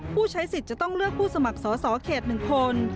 ผู้ใช้สิทธิ์จะต้องเลือกผู้สมัครสอสอเขต๑คน